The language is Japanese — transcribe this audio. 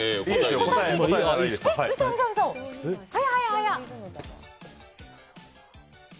早い早い！